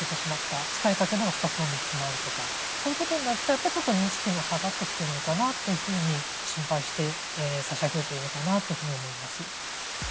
使いかけのが２つも３つもあるとかそういうことになるとやっぱりちょっと認知機能下がってきてるのかなというふうに心配して差し上げるといいのかなというふうに思います。